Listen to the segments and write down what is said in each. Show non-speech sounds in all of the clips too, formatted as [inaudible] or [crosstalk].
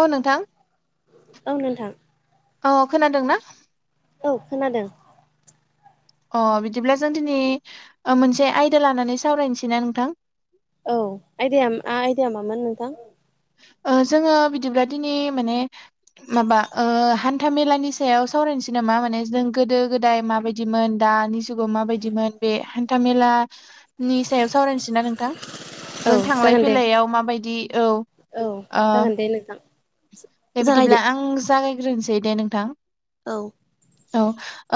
औ नोंथां औ नोंथां औ खोनादोंना। औ खोनादों। अ बिदिब्ला जों दिनै मोनसे आयदा लानानै सावरायनोसै ना नोंथां। औ आइदाया आइदाया मामोन नोंथां। ओ जोङो बिदिब्ला दिनै माने माबा ओ हान्था मेलानि सायाव सावरायनोसै नामा माने जों गोदो गोदाय माबायदि दिमोन दानि जुगाव माबायदिमोन बे हान्थामेला नि सायाव सावरायनोसै ना नोंथां औ जों थांलाय जागोन दे फैलायाव माबायदि औ। औ ओ जागोन दे नोंथां। दे बिदिब्ला जागायदो आं जागायग्रोनोसै दे नोंथां। औ। औ।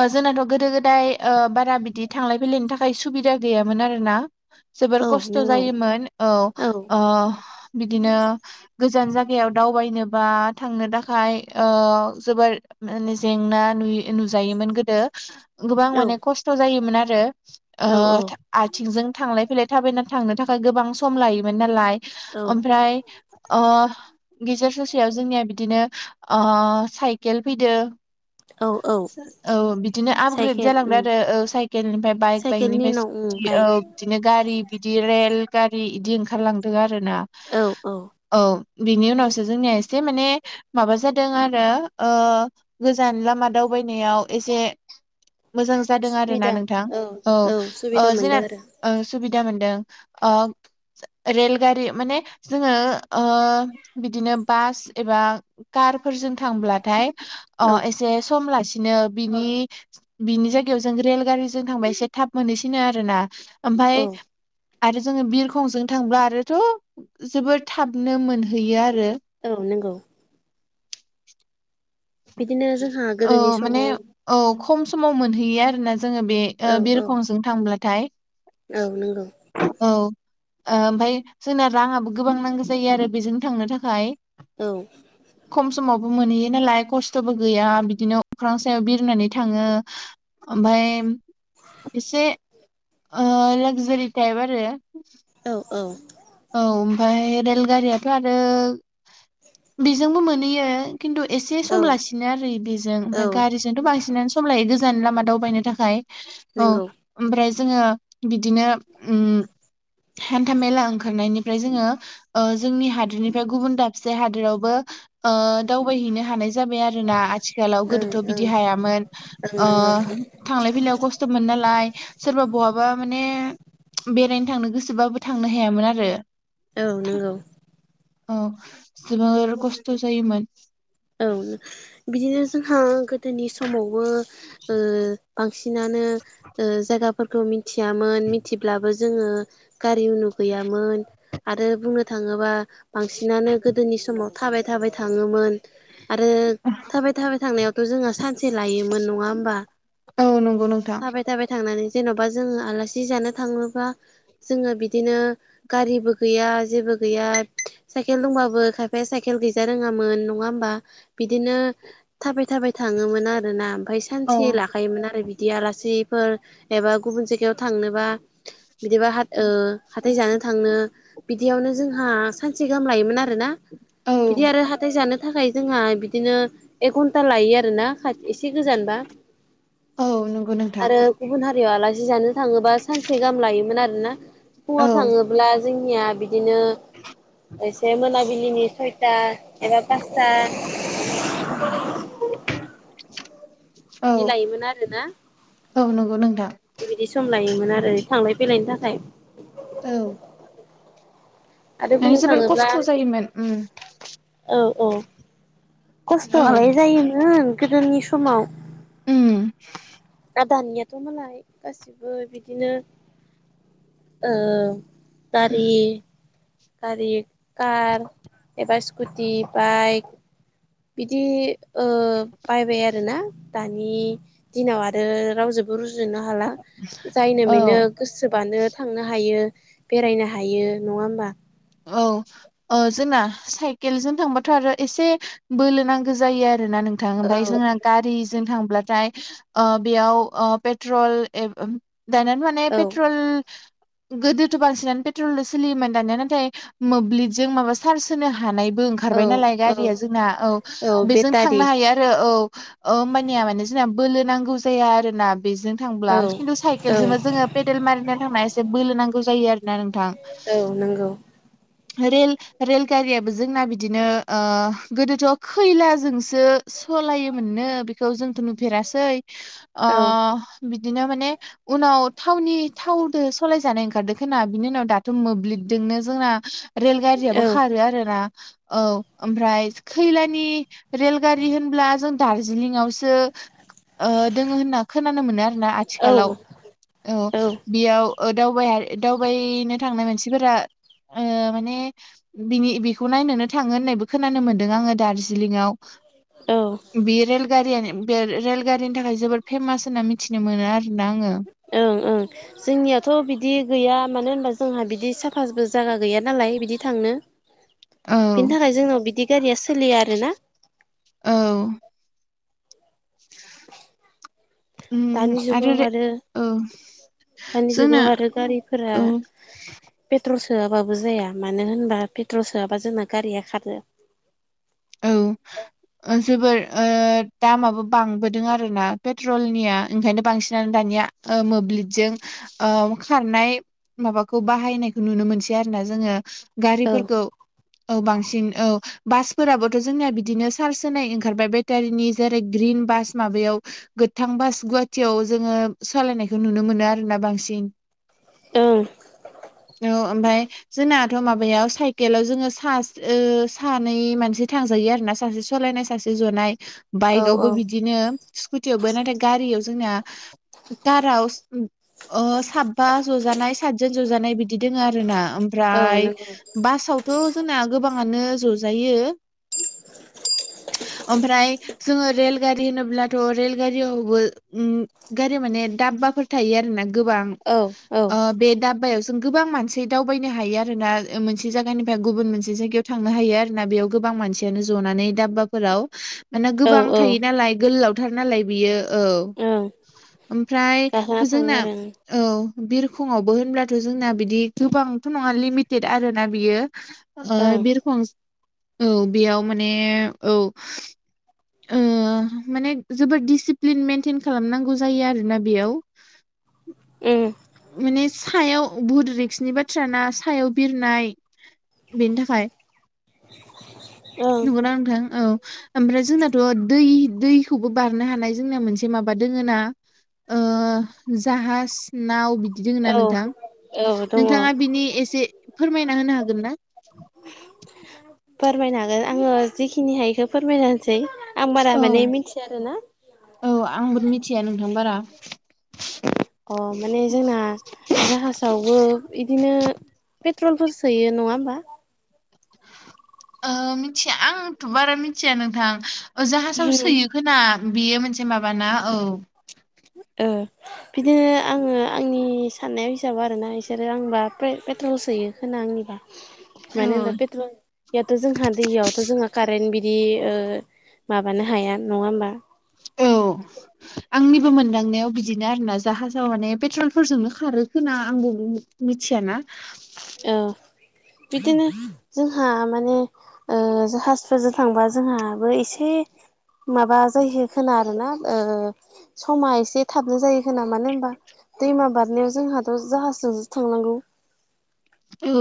ओ जोंनाथ' गोदो गोदाय ओ बारा बिदि थांलाय फैलायनि थाखाय सुबिदा गैयामोन आरो ना। जोबोर औ खस्थ' नोंगौ जायोमोन औ बिदिनो गोजान जायगायाव दावबायनो बा थांनो थाखाय जोबोर मे जेंना नु-नुजायोमोन गोदो गोबां औ माने खस्थ' जायोमोन आरो औ आथिंजों थांलाय फैलाय थाबायनानै थांनो थाखाय गोबां सम लायोमोन नालाय औ ओमफ्राय गेजेर स याव जोंनिया बिदिनो साइकेल फैदो औ औ औ बिदिनो आपग्रेड साइकेल उम जालांबाय आरो औ साइकेलनिफ्राय बाइक साइकेलनि बाइकनिफ्राय उनाव उम स्कुटि औ बाइक बिदिनो गारि बिदि रेल गारि बिदि ओंखारलांदों आरोना औ औ औ बिनि उनावसो जोंनिया एसे माने माबा जादों आरो गोजान लामा दावबायनायाव एसे मोजां जादों आरो ना नोंथां औ सुबिदा जोंना मोनदों आरो सुबिदा मोनदों ओ रेलगारि माने जोङो बिदिनो बास एबा कार फोरजों थांब्लाथाय औ जे सम लासिनो बिनि बिनि जायगायाव जों रेलगारिजों थांबा एसे थाब मोनहैसिनो आरो ना औ ओमफाय आरो जोङो बिरखंजों थांब्ला आरोथ' जोबोर थाबनो मोनहैयो आरो औ नंगौ बिदिनो जोंहा औ गोदोनि माने समाव औ खम समाव मोनहैयो आरोना जोङो बे औ औ बिरखंजों थांब्लाथाय औ नंगौ औ ओमफफ्राय जोंना राङाबो गोबां नांगौ जायो आरो बेजों थांनो थाखाय औ खम समावबो मोनहैयो नालाय खस्थ'बो गैया बिदिनो अख्रां सायाव बिरनानै थाङो ओमफाय एसे लाक्जारि टाइप आरो औ औ औ ओमफाय रेलगारियाथ' आरो बेजोंबो मोनहैयो खिन्थु एसे औ सम लासिनो आरो बेजों औ ओमफाय गारिजोंथ' बांसिनानो समलायो गोजान लामा दावबायनो थाखाय औ नंगौ ओमफ्राय जोङो बिदिनो हान्था मेला ओंखारनायनिफ्राय जोङो जोंनि हादोरनिफ्राय गुबुन दाबसे हादोरावबो दावबायहैनो हानाय जाबाय आरोना आथिखालाव ओं गोदोथ' बिदि ओं हायामोन ओं नंगौ थांलाय फैलायाव खस्थ' मोनो नालाय सोरबा बहाबा माने बेरायनो थांनो गोसोबाबो थांनो हायामोन आरो औ नंगौ औ जबो खस्थ' जायोमोन औ बिदिनो जोंहा गोदोनि समावबो बांसिनानो जायगाफोरखौ मिथियामोन मिथिब्लाबो जोङो गारि नु गैयामोन आरो बुंनो थाङोबा बांसिनानो गोदोनि समाव थाबाय थाबाय थाङोमोन आरो थाबाय थाबाय थांनायावथ' जोंहा सान सानसे लायोमोन नङा होमबा औ नंगौ नोंथां थाबाय जाबाय थांनानै जेन'बा जोङो आलासि जानो थाङोबा जोङो बिदिनो गारिबो गैया जेबो गैया साइकेल दंबाबो खायफाया साइकेल गैजा रोङामोन नङा बा बिदिनो थाबाय थाबाय थाङोमोन आरोना ओमफाय औ सानसे ला थाखायोमोन आरो बिदि आलासिफोर एबा गुबुन जायगायाव थांनोबा बिदिबा हाथाय जानो थांनो बिदियावनो जोंहा सानसे गाहाम लायोमोन आर ना। औ बिदि आरो हाथाय जानो थाखाय जोंहा बिदिनो एक घन्टा लायो आरो ना एसे गोजानबा औ नंगौ नोंथां आरो। गुबुन हारियाव आलासि जानो थाङोबा सानसे गाहाम लायोमोन आरोना फुङाव औ थाङोबा अब्ला जोंनिया बिदिनो एसे मोनाबिलिनि सयथा एबा फास्ता औ बिदि लायोमोन आरोना औ नंगौ नोंथां। बिदि सम लायोमोन आरो थांलाय फैलायनि थाखाय औ। आरो माने बुंनो जोबोर थाङोब्ला खस्थ' जायोमोन उम औ औ। खस्थ'आलाय जायोमोन गोदोनि समाव उम आदानियाथ' मालाय गासिबो बिदिनो ओ गारि गारि कार एबा स्कुटि बाइक बिदि बायबाय आरोना दानि दिनाव आरो रावजो रुजुनो हाला जायनो औ बेनो गोसोबानो थांनो हायो बेरायनो हायो नङा होमबा औ जोंना साइकेलजों थांबाथ' आरो एसे बोलो नांगौ जायो आरो ना नों थां औ आंफाय जोंआ गारिजों थांब्लाथाय ओ बेयाव ओ पेट्रल [inaudible] दानियाथ' माने औ पेट्रल गोदोथ' बांसिनानो पेट्रलल' सोलियोमोन दानिया नाथाय मोब्लिबजों माबा सार्स होनो हो हानायबो औ ओंखारबाय नालाय औ गारिया जोंना औ बेजों थांनो हायो। आरो औ होमबानिया माने जोंना बोलो नांगौ जाया आरोना बेजों थांब्ला औ खिन्थु औ साइकेलजोंबो जोङो पेदेल मारिना थांना एसे बोलो नांगौ जायो आरोना नोंथां। औ नंगौ। रेल रेलगारियाबो जोंना बिदिनो गोदोथ' खैलाजोंसो सालायोमोननो बेखौ जोंथ' नुफेरासै औ बिदिनो माने उनाव थावनि थावजों सलायजानाय ओंखारदों खोना बिनि उनाव दाथ' मोब्लिबजोंनो जोंना रेल गारियाबो औ खारो आरोना औ ओमफ्राय खैलानि रेलगारि होनब्ला जों दार्जिलिंआवसो दोङो होनना खोनानो मोनो आरो औ आथिखालाव औ बेयाव [unintelligible] दावबायनो थांनाय मानसिफोरा माने बिनि बेखौ नायनोनो थाङो होननायबो खोनानो मोनदों आङो दार्जिलिंआव औ बे रेलगारियानो बे रेलगारिनि थाखाय जोबोद फेमास होनना मिथिनो मोनो आरोना आङो ओं ओं। जोंनियाथ' बिदि गैया मानो होनबा जोंहा बिदि साफाबो जायगा गैया नालाय बिदि थांनो औ बिनि थाखाय जोंनाव बिदि गारिया सोलियो आरो ना औ [unintelligible] उम दानि आरो जुगाव औ जोंनो फोरा पेट्रल सोआबाबो जाया मानो होनबा पेट्रल सोआबा जोंना गारिया खारो औ जोबोर दामाबो बांबोदों आरोना पेट्रलनिया ओंखायनो बांसिनानो दानिया ओ मोब्लिबजों ओ खारनाय माबाखौ बाहायनायखौ नुनो मोनसै आरो ना जोङो। औ गारिफोरखौ औ बांसिन औ बास फोराबोथ' जोंनिया बिदिनो चार्ज होनाय ओंखारबाय। बेटारिनि जेरै ग्रिन बास माबायाव। गोथां बास गुवाहाटियाव जोङो सालायनायखौ नुनो मोनो आरोना बांसिन। ओं औ ओमफाय। जोंनाथ' माबायाव साइकेलाव जोङो सास ओ सानै मानसि। सासे थांजायो आरो ना सासे सलायनाय सासे जनाय औ औ बाइकआवबो बिदिनो। स्कुटियावबो नाथाय गारियाव जोंना। दाराव ओ साबबा ज'जानाय सातजोन जजानाय बिदि दोङ आरो ना। औ ओमफ्राय नंगौ बासावथ' जोंना गोबाङानो जजायो। [unintelligible] ओमफ्राय जोङो रेलगारि होनोब्लाथ' रेलगारियावबो उम गारियाव माने दाब्बाफोर थायो आरो ना गोबां। औ औ ओ बे दाब्बायावसो जों गोबां मानसि दावबायनो हायो आरोना। ओ मोनसे जायगानिफ्राय गुबुन मोनसे जायगायाव थांनो हायो आरोना। बेयाव गोबां मानसियानो जनानै दाब्बाफोराव मानो औ गोबां औ थायो नालाय। गोलावथार नालाय। बियो औ ओं ओमफ्राय गाखोना थाङो हुजोंना आरो औ बिरखंआवबो होनब्लाथ' जोंना बिदि गोबांथ' नङा लिमिटेड आरोना बियो। ओ ओं बिरखं औ बेयाव माने औ। ओ माने जोबोद दिडिसिप्लिन मेेनटेन खालामनांगौ जायो आरोना बेयाव। ओं माने सायाव बुद रिक्सनि बाथ्राना। सायाव बिरनाय बेनि थाखाय ओं नंगौना नोंथां औ। ओमफ्राय जोंनाथ' दै दैखौबो बारनो हानाय जोंना मोनसे माबा दोङो ना। ओ जाहाज नाव बिदि दोङो ना नोंथां। औ औ दङ नोंथाङा बिनि एसे फोरमायना होनो हागोन ना? फोरमायनो हागोन। आङो जिखिनि हायो इखौ फोरमायन होनसै आं बारा औ माने मिथिया आरो ना। औ आंबो मिथिया नोंथां बारा। अ माने जोंना जाहाजावबो इदिनो पेट्रलफोर सोयो नङा होमबा? ओ मिथिया आंथ' बारा मिथिया नोंथां ओ जाहाजाव सोयो खोना बियो मोनसे माबाना औ। ओ। बिदिनो आङो आंनि साननाय हिसाब आरोना इसोरो आंबा पेपेट्रल सोयो खोना आंनिबा। औ मानो होनबा पेट्रल जोंहा दैयावथ' जोंहा कारेन्ट बि दि ओ माबानो हाया नङा होमबा। औ। आंनिबो मोनदांनायाव बिदिनो आरोना। जाहाजाव माने पेट्रलफोरजोंनो खारो खोना आंबो मिथिया ना। औ बिदिनो जोंहा माने ओ जाहाजफोरजों थांबा जोंहाबो एसे माबा जाहोयो खोना आरोना ओ समा एसे थाबनो जायो खोना मानो होमबा दैमा बारनायाव जोंहाथ' जाहाजजोंसो थांनांगौ। औ।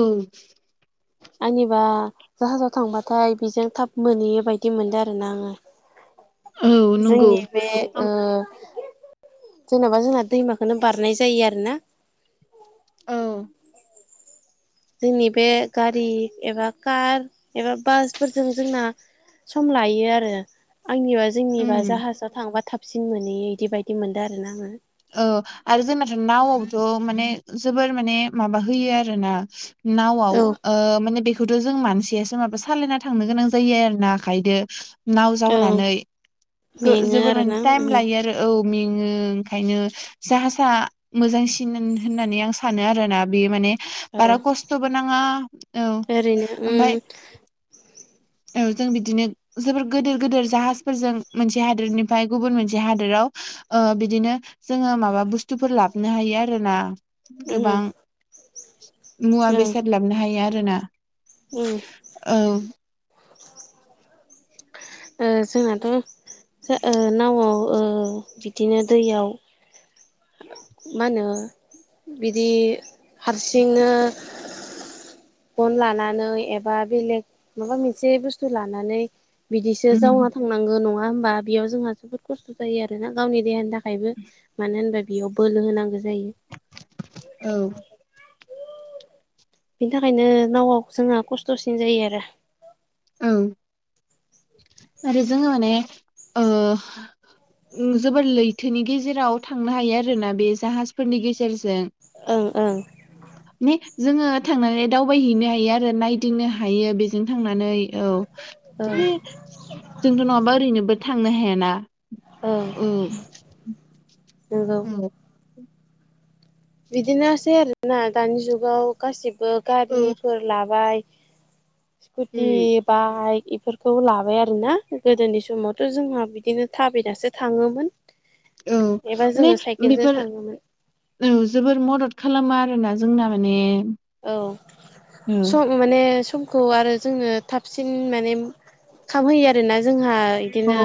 आनिबा जाहाजाव थांबाथाय बेजों थाब मोनहैयो बायदि मोनदों आरोना आङो। औ नंगौ जोंनि बे ओम ओ जेनेबा जोंहा दैमाखोनो बारनाय जायो आरो ना। औ। जोंनि बे गारि एबा कार एबा बासफोरजों जोंना सम लायो आरो आंनिबा जोंनिबा उम जाहाजाव थांबा थाबसिन मोनै इदि बायदि मोनदो आरोना आङो औ आरो जोंनाथ' नावआवबोथ' माने जोबोर माने माबा होयो आरो ना? नावआव औ ओ माने बेखौथ' जों मानसियासो माबा सालायना थांनो गोनां जायो आरो ना आखायदो नाव ओं जावनानै गो मेङो जोबोर माने आरोना टायेम उम लायो आरो औ मेङो। खायनो जाहासा मोजांसिन होननानै आं सानो आरोना बे माने औ बारा खस्थ'बो नाङा औ ओरैनो उम ओमफाय औ जों बिदिनो जोबोर गोदोर गोदोर जाहाजफोरजों मोनसे हादोरनिफ्राय गुबुन मोनसे हादोराव ओ बिदिनो जोङो माबा बुस्थुफोर लाबनो हायो आरोना? उम गोबां मुवा ओं बेसाद लाबनो हायो आरोना? उम औ ओ जोंनाथ' जा ओ नावआव ओ बिदिनो दैयाव मा होनो बिदि हारसिंनो फन लानानै एबा बेलेग माबा मोनसे बुस्थु लानानै बिदिसो उम जावना था थांनांगो नङा होनबा बेयाव जोंहा [unintelligible] खस्थ' जायो आरोना गावनि देहानि थाखायबो मानो होनबा बेयाव बोलो होनांगो जायो। औ बिनि थाखायनो नावआव जोंहा खस्थ'सिन जायो आरो ओं आरो जोङो माने ओ जोबोर लैथोनि गेजेराव थांनो हायो आरोना बे जाहाजफोरनि गेजेरजों ओं ओं ने जोङो थांनानै दावबायहैनो हायो आरो नायदिंनो हायो बेजों थांनानै औ ओं ने जोंथ' नङाबा ओरैनोबो थांनो हायाना। [unintelligible] नोंगौ। औ बिदिनोसै आरोना दानि जुगाव गासिबो औ गारिफोर लाबाय स्कुटि उम बाइक इफोर खौ लाबाय आरोना गोदोनि समावथ' जोंहा बिदिनो थाबायनासो थाङोमोन। औ एबा माने जोङो साइकेलजों बेफोर थाङोमोन औ जोबोर मदद खालामो आरोना जोंना माने औ औ स खौ माने समखौ आरो जोंनो थाबसिन माने खामहोयो आरोना जोंहा औ इदिनो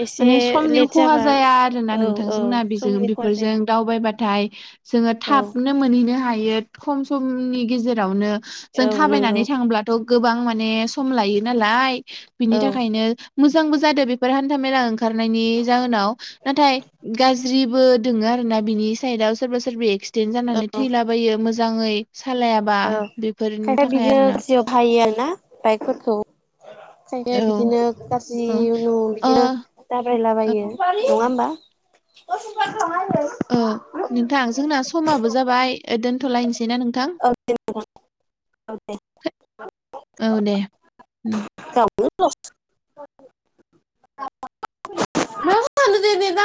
एसे माने समनि लेट खहा जाबा जाया आरो ना औ औ नोंथांजोंना बेजों समनि खहा बेफोरजों जाया दावबायबाथाय जोङो औ थाबनो मोनहैनो हायो खम समनि गेजेरावनो जों औ नंगौ थाबायनानै थांब्लाथ' गोबां माने सम लायो नालाय। बिनि औ थाखायनो मोजांबो जादों बेफोर हान्थामेला ओंखारनायनि जाहोनाव नाथाय गाज्रिबो दोङो आरो ना बिनि सायेदाव सोरबा सोरबि एक्स देन्ट जानानै थैलाबायो मोजाङै सालायाबा बेफोरनि थाखाय आरोना? खायो ना बाइकफोरखौ औ [unintelligible] बिदिनो गाज्रि औ ओ उनु बिदिनो ओ दाब्रायलाबायो। नङा ओमबा? औ नोंथां जोंना समाबो जाबाय ओ दोनथ'लायनोसैना नोंथां? औ औ दे उम गाव मा जानो दे दे